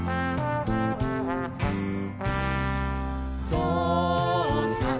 「ぞうさん